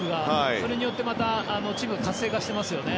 それによって、またチームが活性化してますね。